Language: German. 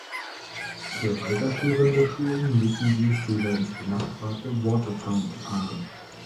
Für weiterführende Schulen müssen die Schüler ins benachbarte Watertown fahren.